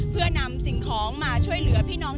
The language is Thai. เพื่อนำสิ่งของมาช่วยเหลือพี่น้อง